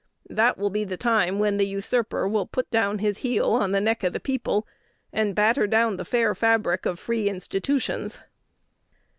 That will be the time when the usurper will put down his heel on the neck of the people, and batter down the "fair fabric" of free institutions.